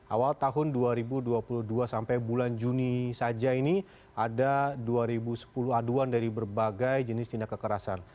awal tahun dua ribu dua puluh dua sampai bulan juni saja ini ada dua ribu sepuluh aduan dari berbagai jenis tindak kekerasan